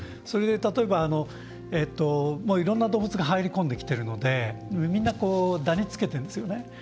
それで例えば、いろんな動物が入り込んできてるのでみんなダニつけてるんですよね。